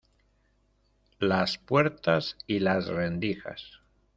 las puertas y las rendijas.